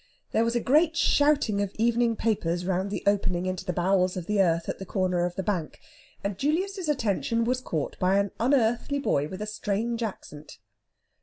There was a great shouting of evening papers round the opening into the bowels of the earth at the corner of the Bank, and Julius's attention was caught by an unearthly boy with a strange accent.